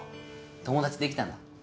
友達できたんだ。